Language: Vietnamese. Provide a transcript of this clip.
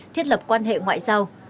thiết lập quan hệ hợp tác giữa hai nước